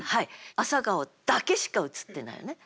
「朝顔」だけしか映ってないよね。